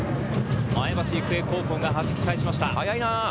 前橋育英高校がはじき返しました。